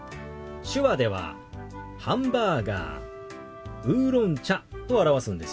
手話では「ハンバーガー」「ウーロン茶」と表すんですよ。